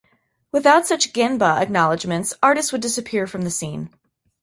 Without such "genba" acknowledgments, artists would disappear from the scene.